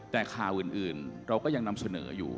แต่ข่าวอื่นเราก็ยังนำเสนออยู่